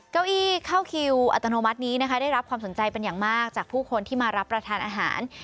เก้าอี้เข้าคิวอัตโนมัตินี้นะคะได้รับความสนใจเป็นอย่างมากจากผู้คนที่มารับประทานอาหาร